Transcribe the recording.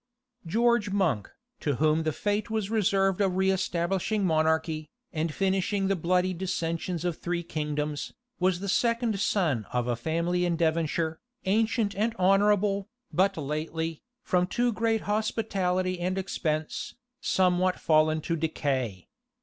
George Monk, to whom the fate was reserved of reëstablishing monarchy, and finishing the bloody dissensions of three kingdoms, was the second son of a family in Devonshire, ancient and honorable, but lately, from too great hospitality and expense, somewhat fallen to decay.